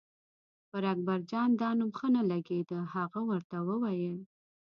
پر اکبرجان دا نوم ښه نه لګېده، هغه ورته وویل.